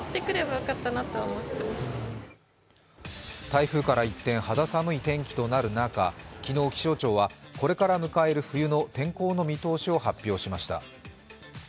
台風から一転、肌寒い天気となる中、昨日気象庁はこれから迎える冬の天候の見通しを発表しました。